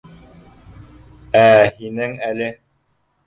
Ә һинең әле...